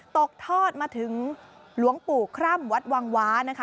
ตกทอดมาถึงหลวงปู่คร่ำวัดวังว้านะคะ